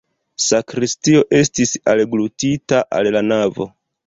Sakristio estis alglutita al la navo.